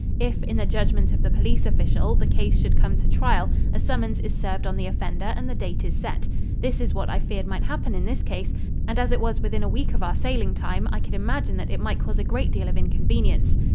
If, in the judgment of the police official, the case should come to trial, a summons is served on the offender and the date is set. This is what I feared might happen in this case, and as it was within a week of our sailing time, I could imagine that it might cause a great deal of inconvenience.